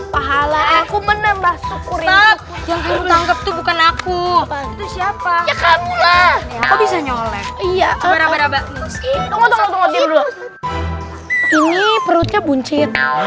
pahala aku menambah syukur yang ditanggap bukan aku siapa bisa nyelek iya ini perutnya buncit